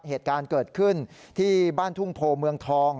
เหตุการณ์เกิดขึ้นที่บ้านทุ่งโพเมืองทอง